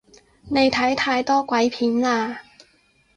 你睇太多鬼片喇